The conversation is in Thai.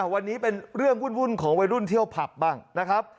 วันนี้เป็นเรื่องวุ่นของวัยรุ่นเที่ยวผับบ้างนะครับ